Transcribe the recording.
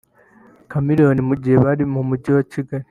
Chameleone mu gihe bari mu Mujyi wa Kigali